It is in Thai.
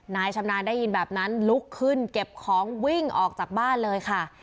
นายชำนาญได้ยินแบบนั้นลุกขึ้นเก็บของวิ่งออกจากบ้านเลยค่ะ